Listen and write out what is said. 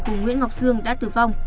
cùng nguyễn ngọc dương đã tử vong